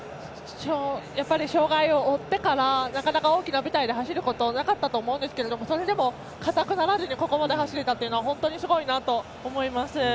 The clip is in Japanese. やっぱり障害を負ってからなかなか、大きな舞台で走ることなかったと思うんですがそれでも硬くならずにここまで走れたというのは本当にすごいなと思います。